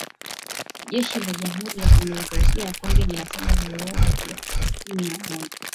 Jeshi la Jamhuri ya kidemocrasia ya Kongo linasema limeua waasi kumi na moja.